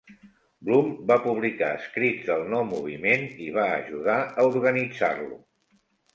Blum va publicar escrits del nou moviment i va ajudar a organitzar-lo.